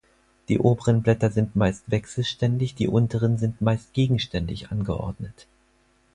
Die oberen Blätter sind meist wechselständig, die unteren sind meist gegenständig angeordnet.